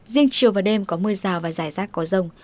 riêng chiều và đêm có mưa rào và giải rác có rồng